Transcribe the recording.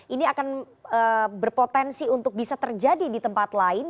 ini akan berpotensi untuk bisa terjadi di tempat lain